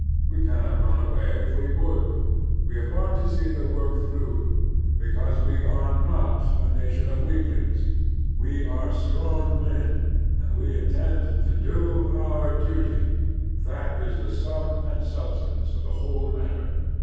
We cannot run away if we would. We have got to see the work through, because we are not a nation of weaklings. We are strong men, and we intend to do our duty. To do our duty — that is the stim and substance of the whole matter.